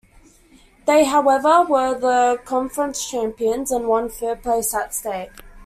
They, however, were the conference champions and won third place at state.